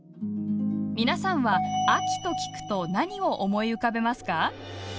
皆さんは「秋」と聞くと何を思い浮かべますか？